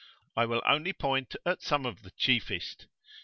I will only point at some of chiefest.